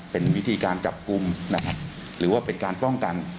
เป็นวิธีการจับกุมหรือเป็นการป้องกัน